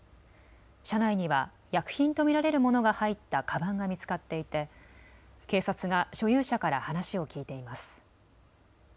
車内には薬品と見られるものが入ったかばんが見つかっていて警察が所有者から話を聞いています。